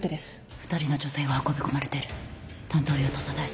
２人の女性が運び込まれてる担当医は土佐大輔。